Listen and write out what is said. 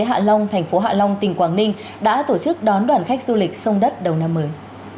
hạ long thành phố hạ long tỉnh quảng ninh đã tổ chức đón đoàn khách du lịch sông đất đầu năm mới